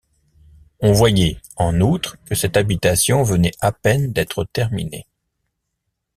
On voyait, en outre, que cette habitation venait à peine d’être terminée.